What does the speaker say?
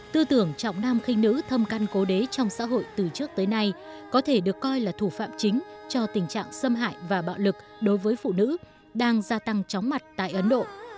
tư tưởng trọng nam khinh nữ thâm căn cố đế trong xã hội từ trước tới nay có thể được coi là thủ phạm chính cho tình trạng xâm hại và bạo lực đối với phụ nữ đang gia tăng chóng mặt tại ấn độ